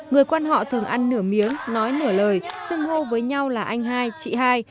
người quán họ thường ăn nửa miếng nói nửa lời xưng hô với nhau là anh hai chị hai